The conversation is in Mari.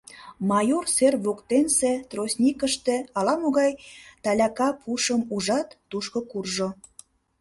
Майор сер воктенсе тростникыште ала-могай таляка пушым ужат, тушко куржо.